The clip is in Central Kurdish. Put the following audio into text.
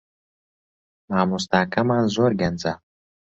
مامۆستاکەمان زۆر گەنجە